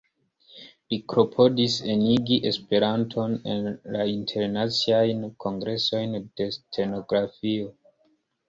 Li klopodis enigi Esperanton en la internaciajn kongresojn de stenografio.